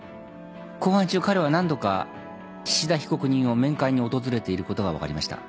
公判中彼は何度か岸田被告人を面会に訪れていることが分かりました。